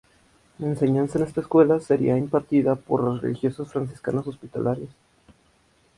La enseñanza en esta escuela sería impartida por las religiosas Franciscanas Hospitalarias.